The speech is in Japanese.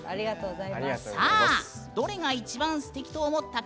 どれが一番、すてきと思ったか